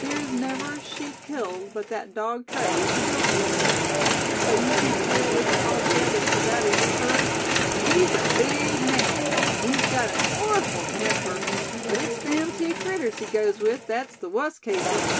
"There is never a sheep killed but that Dog Tray is the guilty one. And so you think Cale isn't altogether so bad as we've heard?" "He's a big man, and he's gut an' orful temper; but it's them tew critters he goes with thet's the wust cases.